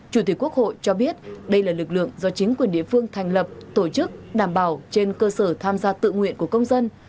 chủ tịch quốc hội cho biết đây là lực lượng do chính quyền địa phương thành lập tổ chức đảm bảo trên cơ sở tham gia tự nguyện của công dân